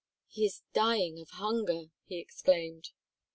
"He is dying of hunger," he exclaimed.